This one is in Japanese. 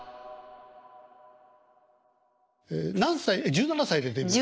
１７歳でデビュー？